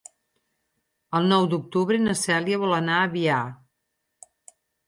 El nou d'octubre na Cèlia vol anar a Biar.